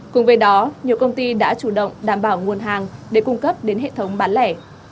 cùng với đó nhiều công ty đã chủ động đảm bảo nguồn hàng để cung cấp đến hệ thống bán lẻ